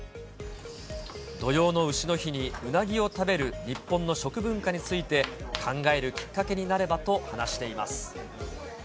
土用のうしの日にうなぎを食べる日本の食文化について、考えるきっかけになればと話しています。